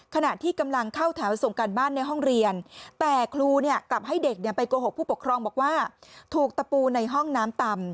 ขณะที่กำลังเข้าแถวส่งการบ้านในห้องเรียนแต่ครูกลับให้เด็กไปโกหกผู้ปกครองบอกว่าถูกตะปูในห้องน้ำต่ำ